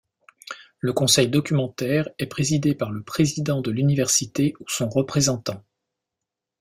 Le conseil documentaire est présidé par le président de l'université ou son représentant.